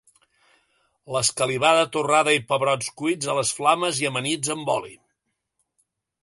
L'escalivada torrada i pebrots cuits a les flames i amanits amb oli.